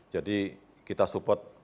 jadi kita support